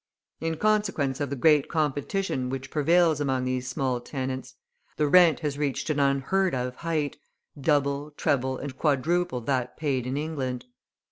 In consequence of the great competition which prevails among these small tenants, the rent has reached an unheard of height, double, treble, and quadruple that paid in England.